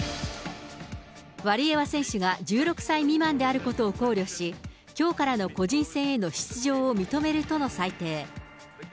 ワリエワ選手が１６歳未満であることを考慮し、きょうからの個人戦への出場を認めるとの裁定。